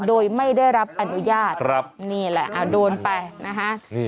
โดยไม่ได้รับอนุญาตนี่แหละโดนไปนะฮะ